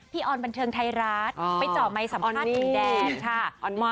พี่ออนบันเทิงไทยรัฐไปเจาะไมสัมภาษณ์กับแดนค่ะ